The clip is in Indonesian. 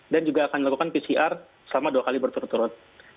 dan juga akan dilakukan pcr selama dua kali berturut turut